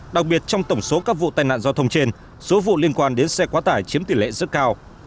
đặc biệt trong tổng số các vụ tai nạn giao thông trên số vụ liên quan đến xe quá tải chiếm tỷ lệ rất cao